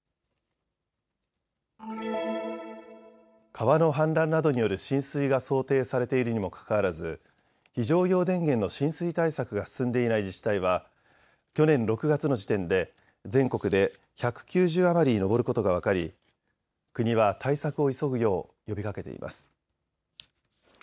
川の氾濫などによる浸水が想定されているにもかかわらず非常用電源の浸水対策が進んでいない自治体は去年６月の時点で全国で１９０余りに上ることが分かり国は対策を急ぐよう呼びかけています。